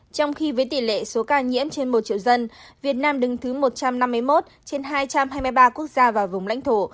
trong khi với tỷ lệ số ca nhiễm trên một triệu dân việt nam đứng thứ một trăm năm mươi một trên hai trăm hai mươi ba quốc gia và vùng lãnh thổ